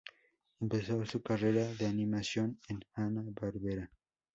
Empezó su carrera de animación en Hanna-Barbera.